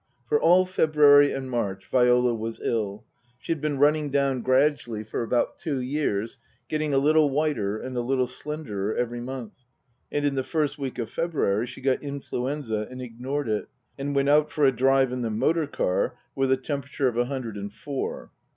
For all February and March Viola was ill. She had been running down gradually for about two years, getting a little whiter and a little slenderer every month, and in the first week of February she got influenza and ignored it, and went out for a drive in the motor car with a temperature of a hundred and four.